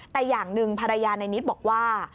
แต่อย่างหนึ่งภรรยาในนิดบอกว่า